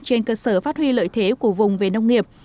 trên cơ sở phát huy lợi thế của vùng về nông nghiệp